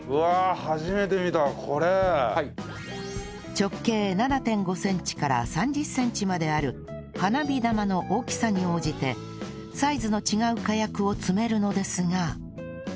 直径 ７．５ センチから３０センチまである花火玉の大きさに応じてサイズの違う火薬を詰めるのですが